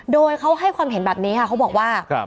โดยเขาให้ความเห็นแบบนี้ค่ะเขาบอกว่า